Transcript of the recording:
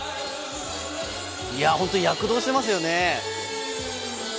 本当に躍動していますよね。